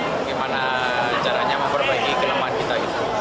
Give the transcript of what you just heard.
bagaimana caranya memperbaiki kelemahan kita